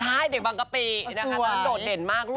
ใช่เด็กบางปีนะคะได้โดดเด่นมากดีค่ะสวย